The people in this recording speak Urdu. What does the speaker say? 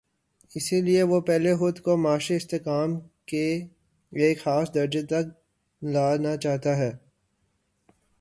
اس لیے وہ پہلے خود کو معاشی استحکام کے ایک خاص درجے تک لا نا چاہتا ہے۔